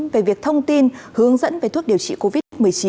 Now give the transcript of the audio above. về việc thông tin hướng dẫn về thuốc điều trị covid một mươi chín